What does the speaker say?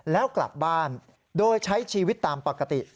แล้วกลับบ้านโดยใช้ชีวิตตามปกติ